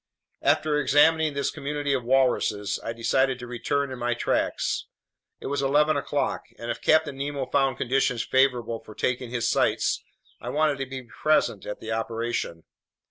After examining this community of walruses, I decided to return in my tracks. It was eleven o'clock, and if Captain Nemo found conditions favorable for taking his sights, I wanted to be present at the operation.